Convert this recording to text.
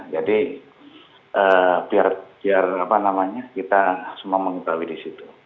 jadi biar kita semua mengikuti disitu